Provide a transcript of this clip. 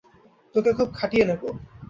তোকে খুব খাটিয়ে নেব।